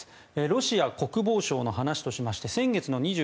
ロシア国防省の話としまして先月の２９日